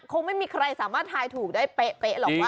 คงไม่มีใครสามารถทายถูกได้เป๊ะหรอกว่า